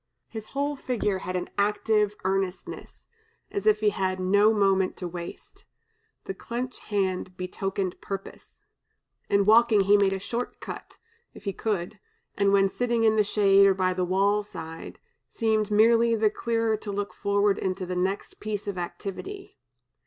His whole figure had an active earnestness, as if he had no moment to waste; the clenched hand betokened purpose. In walking he made a short cut, if he could, and when sitting in the shade or by the wall side, seemed merely the clearer to look forward into the next piece of activity.